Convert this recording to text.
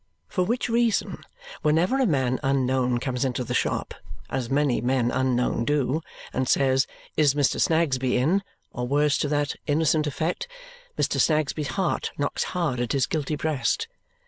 For which reason, whenever a man unknown comes into the shop (as many men unknown do) and says, "Is Mr. Snagsby in?" or words to that innocent effect, Mr. Snagsby's heart knocks hard at his guilty breast.